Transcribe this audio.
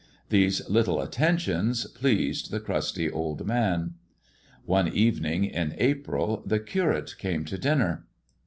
These little attentions pleasteil the crusty old nmn. On© evening ia April tlie Curate came to dinner.